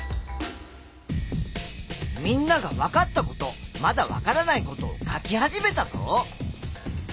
みんながわかったことまだわからないことを書き始めたぞ。